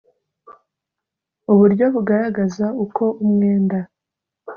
Uburyo bugaragaza uko umwenda